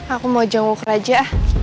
aku mau janguk raja